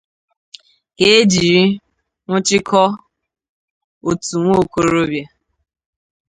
ka e jiri nwụchikọọ otu nwaokorobịa